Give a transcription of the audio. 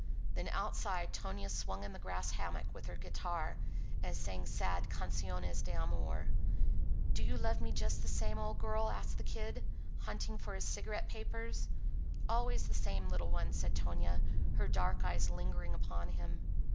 Then outside Tonia swung in a grass hammock with her guitar and sang sad canciones de amor. "Do you love me just the same, old girl?" asked the Kid, hunting for his cigarette papers. "Always the same, little one," said Tonia, her dark eyes lingering upon him.